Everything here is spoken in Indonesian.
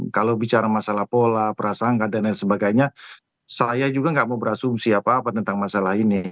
kalau bicara masalah pola prasangka dan lain sebagainya saya juga nggak mau berasumsi apa apa tentang masalah ini